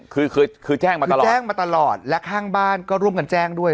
คือคือแจ้งมาตลอดคือแจ้งมาตลอดและข้างบ้านก็ร่วมกันแจ้งด้วย